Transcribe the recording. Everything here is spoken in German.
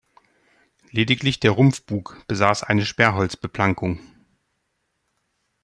Lediglich der Rumpfbug besaß eine Sperrholz-Beplankung.